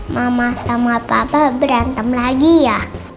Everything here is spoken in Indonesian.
mama sama papa berantem lagi ya